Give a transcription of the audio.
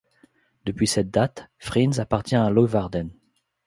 Depuis cette date, Friens appartient à Leeuwarden.